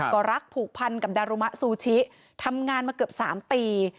ก็รักผูกพันกับดารุมะซูชิทำงานมาเกือบ๓ปี